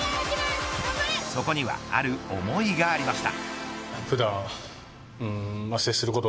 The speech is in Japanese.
そこにはある思いがありました。